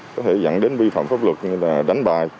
có thể dẫn đến vi phạm pháp luật như là đánh bài